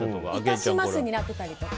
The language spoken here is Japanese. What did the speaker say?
いたしますになってたりとか。